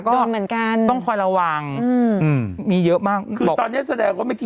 ก็มีเหมือนกันต้องคอยระวังคือตอนเนี้ยแสดงว่าเมื่อกี้